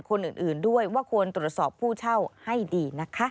คนอื่นด้วยว่าควรตรวจสอบผู้เช่าให้ดีนะคะ